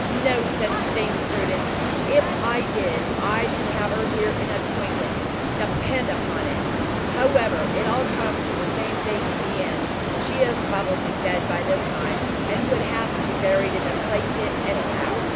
"No such thing, Prudence. If I did, I should have her here in a twinkling, depend upon it. However, it all comes to the same thing in the end. She is probably dead by this time, and would have to be buried in the plague pit, anyhow.